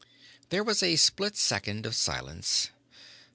There was a split second of silence.